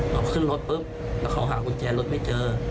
เราขึ้นรถปุ๊บแล้วเขาหากุญแจรถไม่เจอ